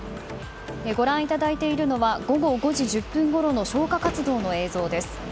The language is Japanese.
ご覧いただいているのは午後５時１０分ごろの消火活動の映像です。